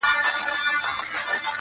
يوه ورځ يو ځوان د کلي له وتلو فکر کوي,